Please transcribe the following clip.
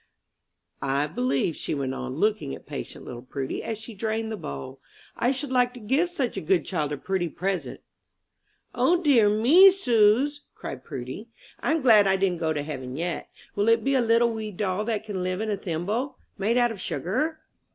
"I believe," she went on, looking at patient little Prudy, as she drained the bowl, "I should like to give such a good child a pretty present." "O, dear me suz!" screamed Prudy, "I'm glad I didn't go to heaven yet. Will it be a little wee doll that can live in a thimble? made out of sugar?"